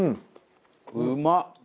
うまっ！